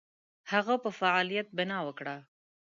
هغه په فعالیت بناء وکړه.